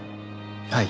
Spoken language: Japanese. はい。